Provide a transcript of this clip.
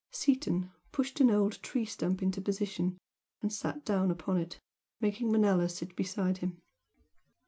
Seaton pushed an old tree stump into position and sat down upon it, making Manella sit beside him.